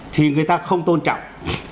thì người ta không tôn trọng